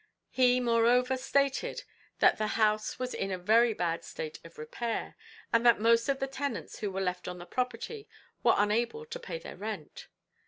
He, moreover, stated that the house was in a very bad state of repair, and that most of the tenants who were left on the property were unable to pay their rent.